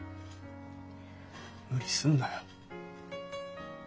無理すんなよ。